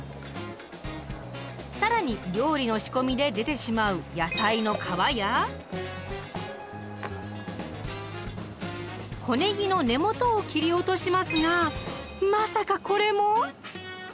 更に料理の仕込みで出てしまう小ねぎの根元を切り落としますがまさかこれも⁉